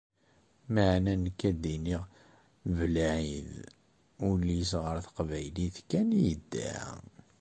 Meɛna nekk a-d-iniɣ : Belɛid, ul-is ɣer teqbaylit kan i yedda.